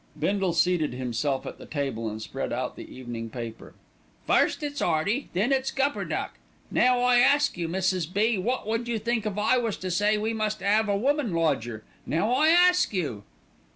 Bindle seated himself at the table and spread out the evening paper. "First it's 'Earty, then it's Gupperduck. Now I ask you, Mrs. B., wot would you think if I was to say we must 'ave a woman lodger? Now I ask you!"